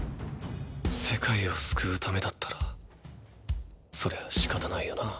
世界を救うためだったらそりゃあ仕方ないよなぁ。